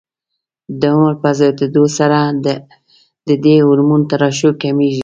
د عمر په زیاتېدلو سره د دې هورمون ترشح کمېږي.